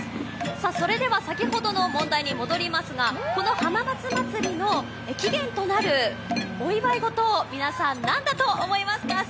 それでは先ほどの問題に戻りますがこの浜松まつりの起源となるお祝いごと、皆さん、何だと思いますか？